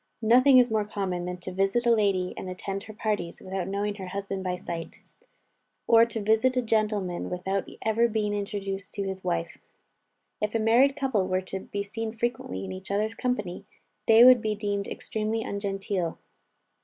Nothing is more common than to visit a lady, and attend her parties, without knowing her husband by sight; or to visit a gentleman without ever being introduced to his wife. If a married couple were to be seen frequently in each other's company, they would be deemed extremely ungenteel.